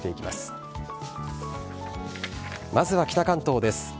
まずは北関東です。